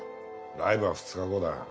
ライブは２日後だ。